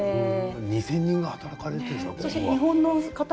２０００人が働かれているんですね。